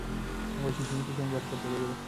هغه وایي چې انټرنيټ د ژوند برخه ګرځېدلې ده.